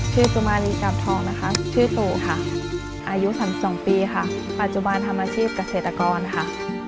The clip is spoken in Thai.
ชื่อจุมารีจับทองชื่อตู่อายุ๓๒ปีปัจจุบันทำอาชีพเกษตรกร